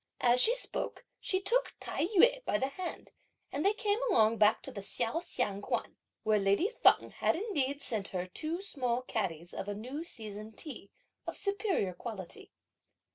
As she spoke, she took Tai yü by the hand, and they came along back to the Hsiao Hsiang Kuan; where lady Feng had indeed sent her two small catties of a new season tea, of superior quality.